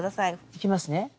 いきますね。